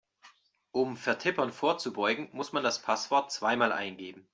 Um Vertippern vorzubeugen, muss man das Passwort zweimal eingeben.